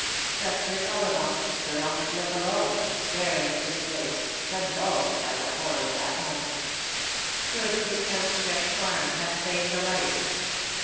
Outhbert Ollivant stood on the cliff alone, staring into space, convulsed by the horror of that moment. Could his outstretched arm have saved a life